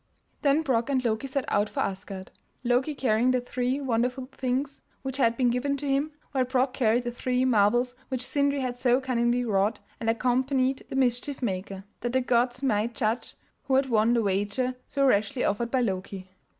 Then Brok and Loki set out for Asgard, Loki carrying the three wonderful things which had been given to him, while Brok carried the three marvels which Sindri had so cunningly wrought and accompanied the mischief maker, that the gods might judge who had won the wager so rashly offered by Loki.